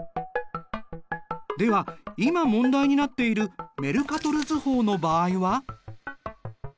では今問題になっているメルカトル図法の場合は？